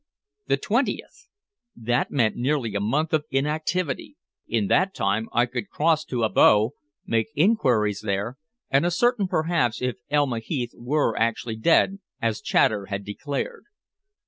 The twentieth! That meant nearly a month of inactivity. In that time I could cross to Abo, make inquiries there, and ascertain, perhaps, if Elma Heath were actually dead as Chater had declared.